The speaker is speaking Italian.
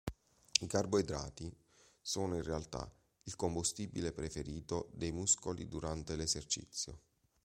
I carboidrati sono in realtà il combustibile preferito dei muscoli durante l'esercizio.